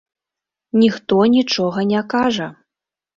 Ніхто нічога не кажа.